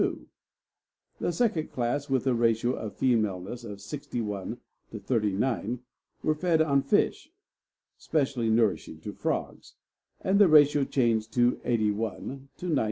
The second class, with a ratio of femaleness of 61 to 39, were fed on fish (specially nourishing to frogs), and the ratio changed to 81 to 19.